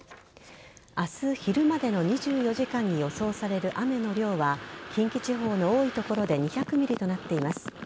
明日昼までの２４時間に予想される雨の量は近畿地方の多い所で２００ｍｍとなっています。